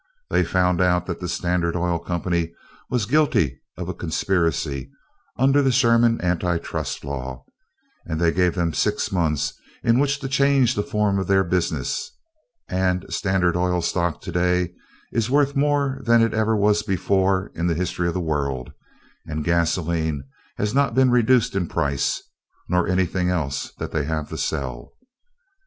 They found out that the Standard Oil Company was guilty of a conspiracy under the Sherman anti trust law, and they gave them six months in which to change the form of their business, and Standard Oil stock today is worth more than it ever was before in the history of the world, and gasoline has not been reduced in price, nor anything else that they have to sell.